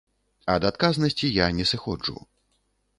Ад адказнасці я не сыходжу.